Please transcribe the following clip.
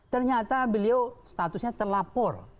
ternyata beliau statusnya terlapor